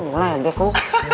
boleh deh kau